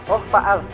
oh pak al